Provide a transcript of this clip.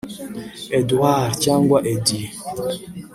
Edward cyangwa Eddy